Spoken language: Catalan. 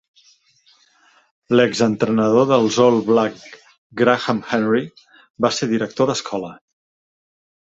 L'exentrenador dels All Black Graham Henry va ser director d'escola.